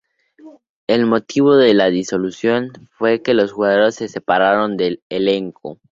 El motivo de la disolución fue que los jugadores se separaron del elenco.